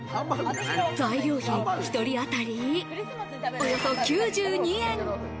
材料費１人当たり、およそ９２円。